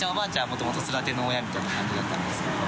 もともと育ての親みたいな感じだったんですけど。